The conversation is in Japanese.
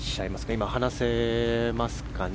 今、話せますかね。